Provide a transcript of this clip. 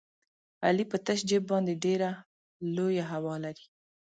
علي په تش جېب باندې ډېره لویه هوا لري.